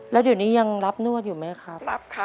แล้วเดี๋ยวนี้ยังรับนวดอยู่ไหมคะรับค่ะ